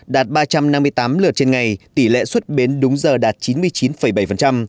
đạt ba trăm năm mươi tám lượt trên ngày tỷ lệ xuất bến đúng giờ đạt chín mươi chín bảy